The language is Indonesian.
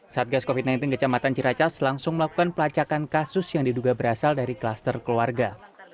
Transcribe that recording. satgas covid sembilan belas kecamatan ciracas langsung melakukan pelacakan kasus yang diduga berasal dari kluster keluarga